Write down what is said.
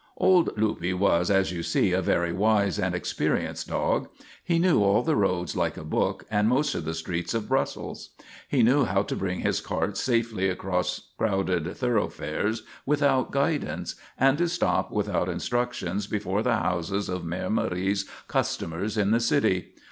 Old Luppe was, as you see, a very wise and experienced dog. He knew all the roads like a book and most of the streets of Brussels. He knew how to bring his cart safely across crowded thoroughfares without guidance, and to stop without instructions before the houses of Mère Marie's customers in the city.